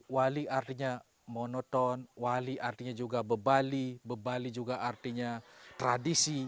wali artinya monoton wali artinya juga bebali bebali juga artinya tradisi